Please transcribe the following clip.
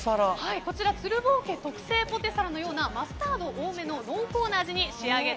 こちらは鶴房家特製ポテサラのようなマスタード多めな濃厚な味です。